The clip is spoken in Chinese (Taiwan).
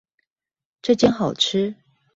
這間好吃